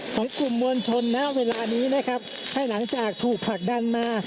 ของกลุ่มมวลชนนะเวลานี้นะครับภายหลังจากถูกผลักดันมา